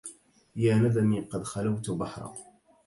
يا ندمي قد خلوت بحر